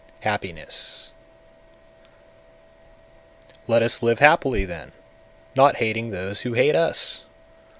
Happiness 197. Let us live happily then, not hating those who hate us!